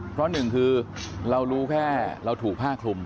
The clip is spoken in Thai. เพราะหนึ่งคือเรารู้แค่เราถูกผ้าคลุม